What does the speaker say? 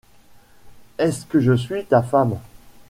Est-ce que je suis ta femme ?…